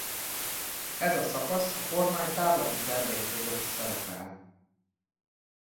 Ez a szakasz a kormány távlati tervei között szerepel.